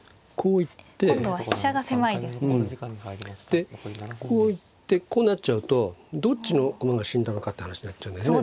でこう行ってこうなっちゃうとどっちの駒が死んだのかって話になっちゃうんだよね。